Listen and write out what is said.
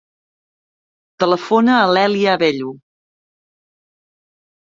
Telefona a l'Èlia Abello.